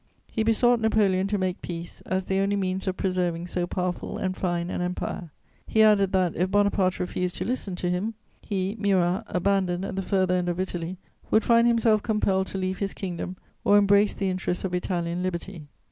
He besought Napoleon to make peace, as the only means of preserving so powerful and fine an empire. He added that, if Bonaparte refused to listen to him, he, Murat, abandoned at the further end of Italy, would find himself compelled to leave his kingdom or embrace the interests of Italian liberty.